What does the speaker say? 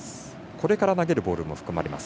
これから投げるボールも含まれます。